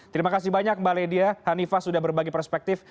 terima kasih banyak mbak ledia hanifah sudah berbagi perspektif